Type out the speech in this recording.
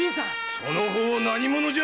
その方何者じゃ？